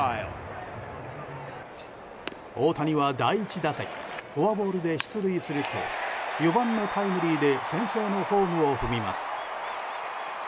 大谷は第１打席フォアボールで出塁すると４番のタイムリーで先制のホームを踏みます。